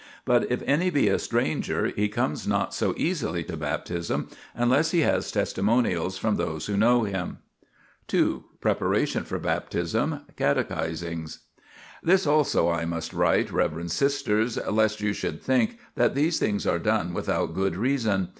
But if any be a stranger, he comes not so easily to Baptism, unless he has testimonials from those who know him. 2. Preparation for Baptism. Catechisings. This also I must write, reverend sisters, lest you should think that these things are done without good reason.